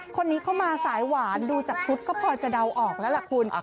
คนนี้เข้ามาสายหวานดูจากชุดก็พอจะเดาออกแล้วล่ะคุณ